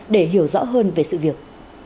để hiểu rõ hơn về sự việc